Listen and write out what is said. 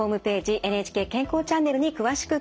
「ＮＨＫ健康チャンネル」に詳しく掲載されています。